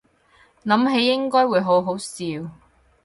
諗起應該會好好笑